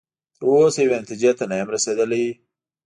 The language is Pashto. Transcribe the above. تر اوسه یوې نتیجې ته نه یم رسیدلی.